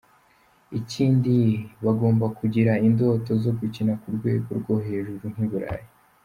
Ikindi, bagomba kugira indoto zo gukina ku rwego rwo hejuru nk’i Burayi.